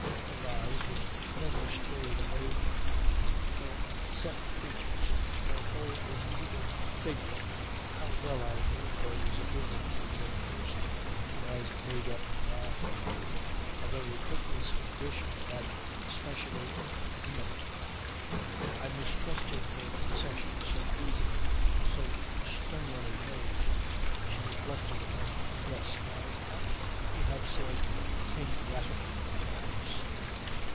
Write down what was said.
Her eyes which never strayed away from mine, her set features, her whole immovable figure, how well I knew those appearances of a person who has "made up her mind." A very hopeless condition that, specially in women. I mistrusted her concession so easily, so stonily made. She reflected a moment. "Yes. I ought to have said ingratitude, perhaps."